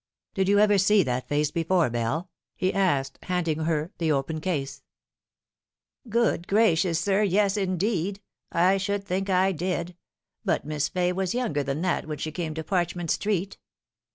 " Did you ever see that face before, Bell ?" he asked, handing her the open case. 41 Good gracious, sir, yes, indeed, I should think I did ! but Miss Fay was younger than that when she came to Parchment Street."